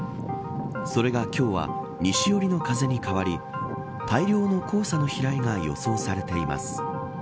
それが今日は西寄りの風に変わり大量の黄砂の飛来が予想されています。